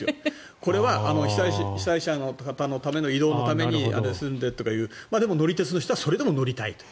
これは被災者の方の移動のためにというのででも、乗り鉄の人はそれでも乗りたいという。